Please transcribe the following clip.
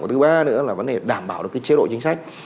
và thứ ba nữa là vấn đề đảm bảo được cái chế độ chính sách